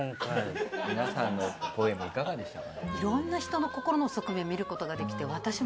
皆さんのポエムいかがでしたか？